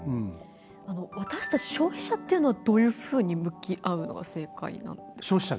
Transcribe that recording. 私たち消費者というのはどういうふうに向き合うのが正解なんでしょうか。